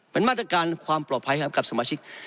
เป็นมาตรการความปลอบไพรฮะครับกับสมาชิก